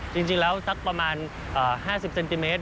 จริงแล้วสักประมาณ๕๐เซนติเมตร